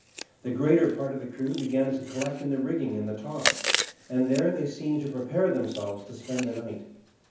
The greater part of the crew began to collect in the rigging and the tops, and there they seemed to prepare themselves to spend the night.